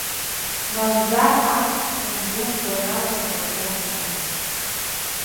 Мамзар ас, нанду лгәанала дкәашон ҳәа.